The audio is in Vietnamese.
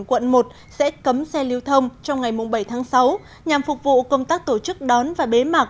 quận một sẽ cấm xe lưu thông trong ngày bảy tháng sáu nhằm phục vụ công tác tổ chức đón và bế mạc